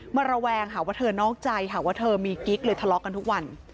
ระแวงหาว่าเธอนอกใจหาว่าเธอมีกิ๊กเลยทะเลาะกันทุกวัน